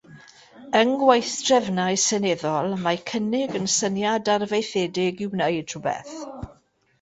Yng ngweithdrefnau seneddol, mae cynnig yn syniad arfaethedig i wneud rhywbeth.